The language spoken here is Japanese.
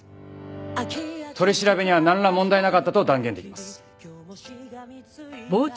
取り調べにはなんら問題なかったと断言できます。